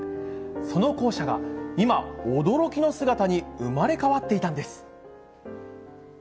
その校舎が今、驚きの姿に生まれ変わっていたんです。